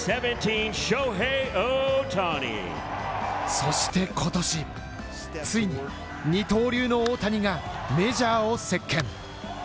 そして今年ついに二刀流の大谷がメジャーを席巻。